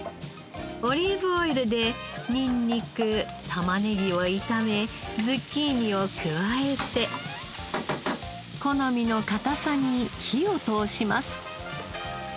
オリーブオイルでにんにく玉ねぎを炒めズッキーニを加えて好みの硬さに火を通します。